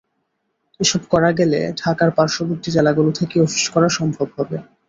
এসব করা গেলে ঢাকার পার্শ্ববর্তী জেলাগুলো থেকে অফিস করা সম্ভব হবে।